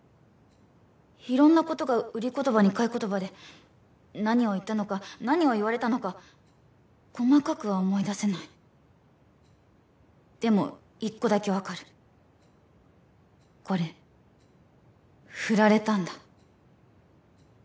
色んなことが売り言葉に買い言葉で何を言ったのか何を言われたのか細かくは思い出せないでも１個だけ分かるこれフラれたんだ